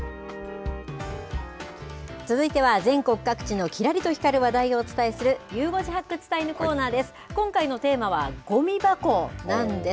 続いては、全国各地のきらりと光る話題をお伝えする、ゆう５時発掘隊のコーナーです。